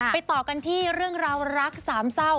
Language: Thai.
ต่อกันที่เรื่องราวรักสามเศร้า